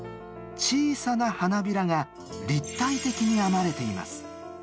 小さな花びらが立体的に編まれています。